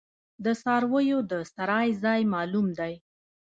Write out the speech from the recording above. د څارویو د څرائ ځای معلوم دی؟